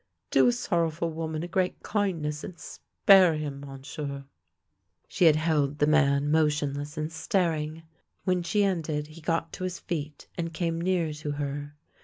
Do a sorrowful woman a great kindness and spare him, Monsieur !" She had held the man motionless and staring. When she ended, he got to his feet, and came near to her.